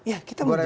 ya kita menjawab